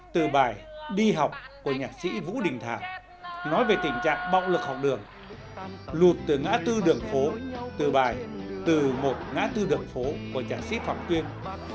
từ bài đi học của nhạc sĩ vũ đình thảo nói về tình trạng bạo lực học đường lụt từ ngã tư đường phố từ bài từ một ngã tư đường phố của nhạc sĩ phạm tuyên